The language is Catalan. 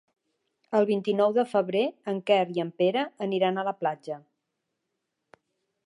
El vint-i-nou de febrer en Quer i en Pere aniran a la platja.